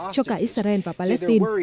cho cả israel và palestine